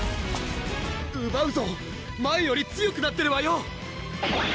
ウバウゾー前より強くなってるわよ！